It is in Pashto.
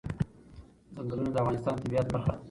چنګلونه د افغانستان د طبیعت برخه ده.